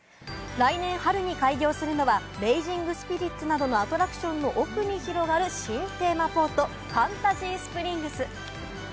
来年春に開業するのはレイジングスピリッツなどのアトラクションの奥に広がる新テーマポート、ファンタジースプリングス。